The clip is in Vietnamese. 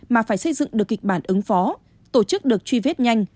mà phải xây dựng được kịch bản ứng phó tổ chức được truy vết nhanh